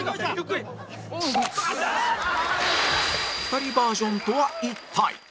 ２人バージョンとは一体？